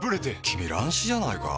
君乱視じゃないか？